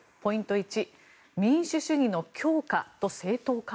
１民主主義の強化と正当化？